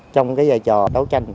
trong cái vai trò đấu tranh